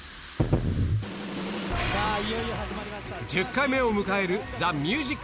１０回目を迎えるＴＨＥＭＵＳＩＣＤＡＹ。